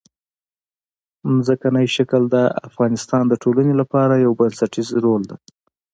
ځمکنی شکل د افغانستان د ټولنې لپاره یو بنسټيز رول لري.